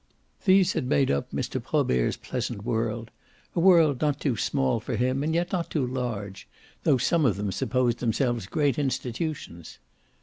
These had made up Mr. Probert's pleasant world a world not too small for him and yet not too large, though some of them supposed themselves great institutions.